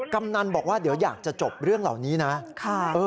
กำนันบอกว่าเดี๋ยวอยากจะจบเรื่องเหล่านี้นะ